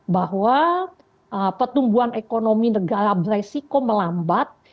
bahwa pertumbuhan ekonomi negara beresiko melambat